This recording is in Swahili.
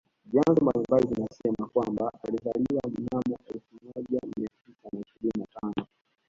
Vyanzo mbalimbali vinasema kwamba alizaliwa mnamo elfu moja Mia tisa na ishirini na tano